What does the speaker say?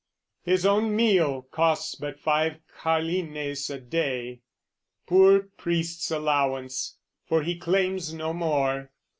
"His own meal costs but five carlines a day, "Poor priest's allowance, for he claims no more."